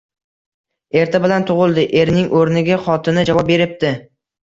- Erta bilan tug‘ildi, - erining o‘rniga xotini javob beribdi